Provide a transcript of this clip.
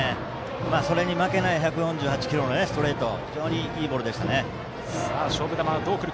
それに負けない１４８キロのストレート非常にいいボールでしたね。